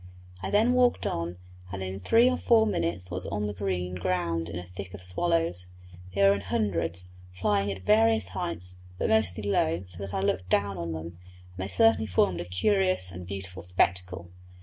I then walked on, and in three or four minutes was on the green ground in the thick of the swallows. They were in hundreds, flying at various heights, but mostly low, so that I looked down on them, and they certainly formed a curious and beautiful spectacle.